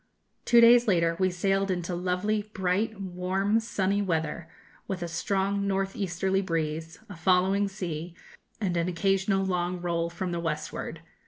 Two days later we sailed into lovely, bright, warm, sunny weather, with a strong north easterly breeze, a following sea, and an occasional long roll from the westward.